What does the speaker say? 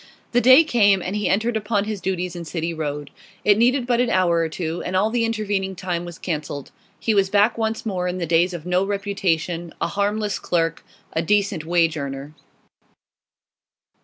The day came, and he entered upon his duties in City Road. It needed but an hour or two, and all the intervening time was cancelled; he was back once more in the days of no reputation, a harmless clerk, a decent wage earner.